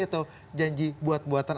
atau janji buat buatan